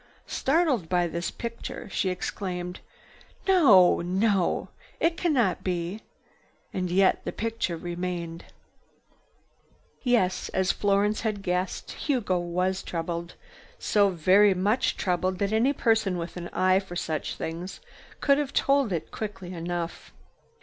Startled by this picture, she exclaimed: "No! No! It cannot be!" And yet the picture remained. Yes, as Florence had guessed, Hugo was troubled, so very much troubled that any person with an eye for such things could have told it quickly enough.